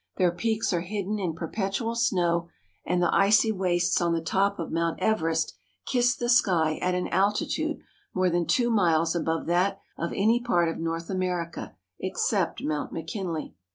Their peaks are hidden in perpetual snow, and the icy wastes on the top of Mount Everest kiss the sky at an altitude more than two miles above that of any part of North America except Mount McKinley.